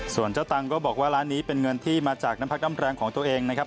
ส่วนเจ้าตังค์ก็บอกว่าร้านนี้เป็นเงินที่มาจากน้ำพักน้ำแรงของตัวเองนะครับ